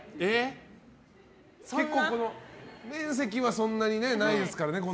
面積はそんなにないですからね。